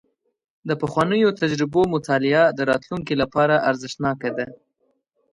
د پخوانیو تجربو مطالعه د راتلونکي لپاره ارزښتناکه ده.